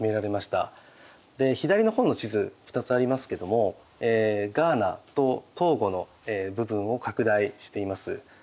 左の方の地図２つありますけどもガーナとトーゴの部分を拡大しています。